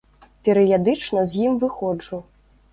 Перыядычна з ім выходжу.